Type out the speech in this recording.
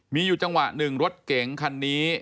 มีอยู่จังหวะหนึ่งรถเก๋งคันนี้